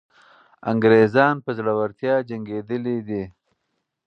انګریزان په زړورتیا جنګېدلي دي.